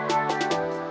karya seni seperti ini